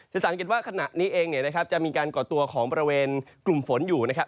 สังเกตว่าขณะนี้เองเนี่ยนะครับจะมีการก่อตัวของบริเวณกลุ่มฝนอยู่นะครับ